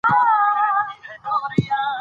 هغه له اوبو پرته پاتې دی.